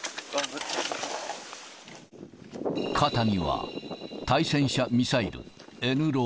肩には、対戦車ミサイル、ＮＬＡＷ。